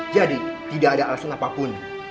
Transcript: jadi tidak ada alasan apapun